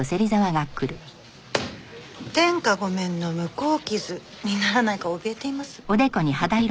天下御免の向こう傷にならないか怯えています。